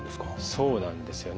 そうなんですよね。